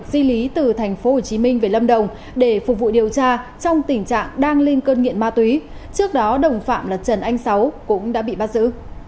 di lý từ tp hcm về lâm đồng để phục vụ điều tra trong tình trạng đang lên cơn nghiện ma túy trước đó đồng phạm là trần anh sáu cũng đã bị bắt giữ